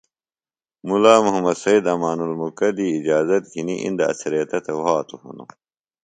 ملا محمد سید امان المکہ دی اِجازت گِھنی اندہ اڅھریتہ تھےۡ وھاتوۡ ہِنوۡ